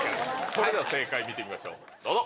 それでは正解見てみましょうどうぞ。